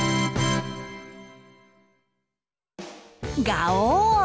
ガオー！